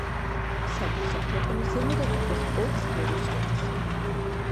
სამკუთხა ფრონტონი ზემოდან ადგას ოთხ დორიულ სვეტს.